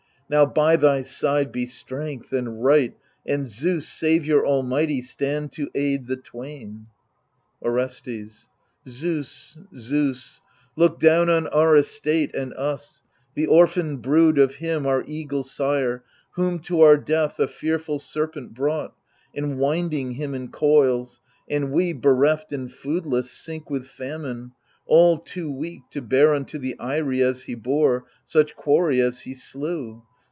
Now by thy side be strength and right, and Zeus Saviour almighty, stand to aid the twain t Orestes Zeus, Zeus t look down on our estate and us. The orphaned brood of him, our eagle sire. Whom to his death a fearful serpent brought, Enwinding him in coils ; and we, bereft And foodless, sink with famine, all too weak To bear unto the eyrie, as he bore. Such quarry as he slew.